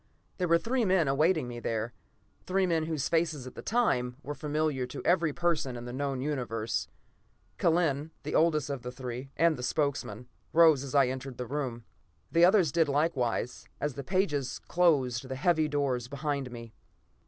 There were three men awaiting me there; three men whose faces, at that time, were familiar to every person in the known Universe. Kellen, the oldest of the three, and the spokesman, rose as I entered the room. The others did likewise, as the pages closed the heavy doors behind me.